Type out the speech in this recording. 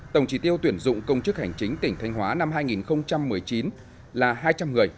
tổng trí tiêu tuyển dụng công chức hành chính tỉnh thanh hóa năm hai nghìn một mươi chín là hai trăm linh người